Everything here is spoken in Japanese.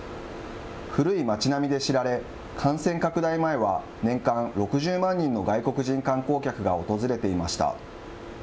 古い街並みで知られ、感染拡大前は年間６０万人の外国人観光客が訪れていました。